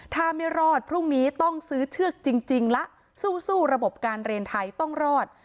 ถ้าไม่รอดพรุ่งนี้ต้องซื้อเชือกจริงละสู้ระบบการเรียนไทยต้องรอด